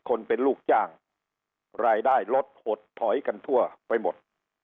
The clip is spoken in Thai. คนเป็นลูกจ้างรายได้ลดหดถอยกันทั่วไปหมด